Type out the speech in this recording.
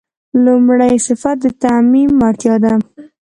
لومړی صفت د تعمیم وړتیا ده.